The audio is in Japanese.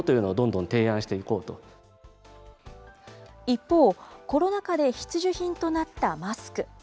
一方、コロナ禍で必需品となったマスク。